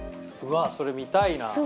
うわあそれ見たいな。